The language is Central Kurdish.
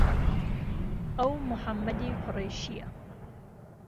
ئهو محەممەدی قوڕهیشییه